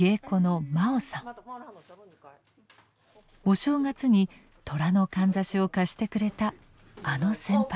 お正月に寅のかんざしを貸してくれたあの先輩です。